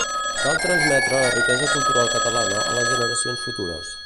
Cal transmetre la riquesa cultural catalana a les generacions futures.